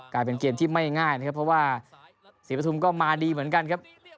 กลายเป็นเกมที่ไม่ง่ายนะครับเพราะว่าศรีปฐุมก็มาดีเหมือนกันครับ